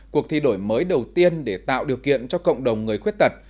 cuộc thi đổi mới đầu tiên để tạo điều kiện cho cộng đồng người khuyết tật